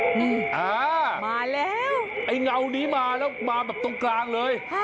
นี่อ่ามาแล้วไอ้เงานี้มาแล้วมาแบบตรงกลางเลย